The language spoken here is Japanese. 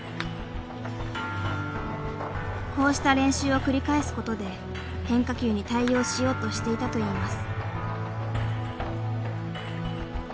こうした練習を繰り返すことで変化球に対応しようとしていたといいます。